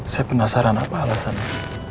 saya penasaran apa alasannya